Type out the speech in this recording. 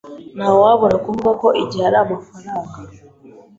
Ntawabura kuvuga ko igihe ari amafaranga.